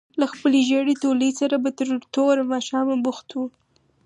له خپلې ژېړې تولۍ سره به تر توره ماښامه بوخت وو.